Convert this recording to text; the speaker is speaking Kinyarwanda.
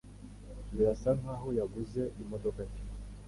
Birasa nkaho yaguze imodoka nshya.